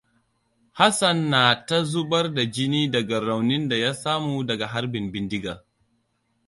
Hassan na ta zubar da jini daga raunin da ya samu daga harbin bindiga.